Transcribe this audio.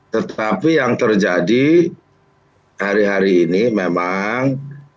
tetapi yang terjadi hari hari ini memang